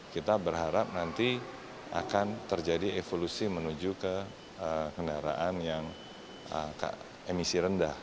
kita berharap nanti akan terjadi evolusi menuju ke kendaraan yang emisi rendah